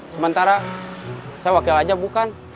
sementara saya wakil aja bukan